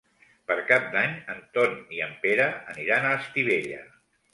Per Cap d'Any en Ton i en Pere aniran a Estivella.